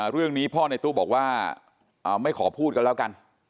เรื่องนี้พ่อในตู้บอกว่าไม่ขอพูดกันแล้วกัน